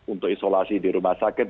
untuk isolasi di rumah sakit